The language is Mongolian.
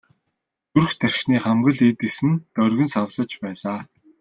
Зүрх тархины хамаг л эд эс нь доргин савлаж байлаа.